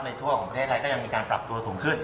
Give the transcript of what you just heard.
ประเทศไทยก็ยังมีการปรับตัวสูงขึ้น